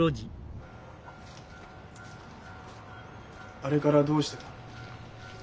あれからどうしてた？